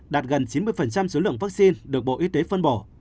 đạt gần chín mươi số lượng vaccine được bộ y tế phân bổ